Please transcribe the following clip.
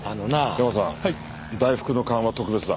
ヤマさん大福の勘は特別だ。